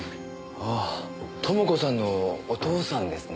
ああ朋子さんのお父さんですね。